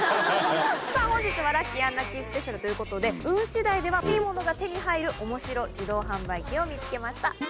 さぁ本日はラッキーアンラッキースペシャルということで運次第ではいいものが手に入るおもしろ自動販売機を見つけました。